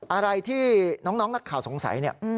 อะไรที่น้องนักข่าวสงสัย